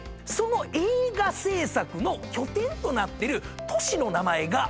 その映画製作の拠点となってる都市の名前がムンバイ。